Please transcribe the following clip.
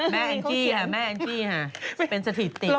แม่แองจี้ค่ะแม่แองจี้ค่ะ